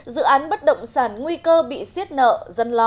dự án bất động sản nguy cơ bị xiết nợ dân lo